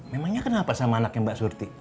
memangnya kenal apa sama anaknya mbak surti